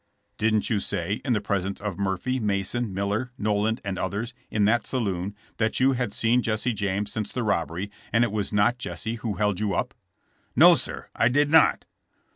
"Didn't you say, in the presence of Murphy, Mason, Miller, Noland and others, in that saloon, that you had seen Jesse James since the robbery, and it was not Jesse who held you up ?" "No, sir; I did not."